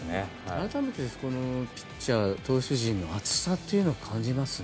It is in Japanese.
改めてピッチャー投手陣の厚さというのを感じますね。